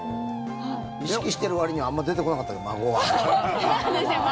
意識してるわりにはあまり出てこなかったね。